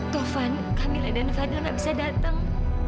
taufan kamila dan fadil gak bisa datang